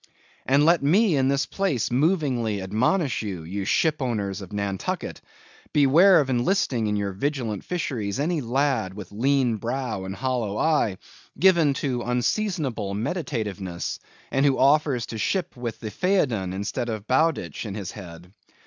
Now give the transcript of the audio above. And let me in this place movingly admonish you, ye ship owners of Nantucket! Beware of enlisting in your vigilant fisheries any lad with lean brow and hollow eye; given to unseasonable meditativeness; and who offers to ship with the Phædon instead of Bowditch in his head.